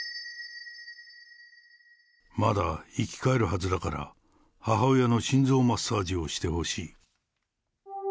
まだ生き返るはずだから、母親の心臓マッサージをしてほしい。